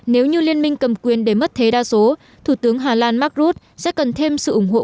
nếu như liên minh cầm quyền để mất thế đa số thủ tướng hà lan mark rutte sẽ cần thêm sự ủng hộ